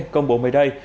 công bố mới đây